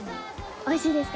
おいしいですか？